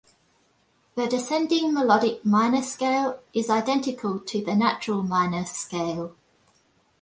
The descending melodic minor scale is identical to the natural minor scale.